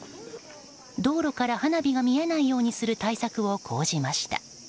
道路から花火が見えないようにする対策を講じました。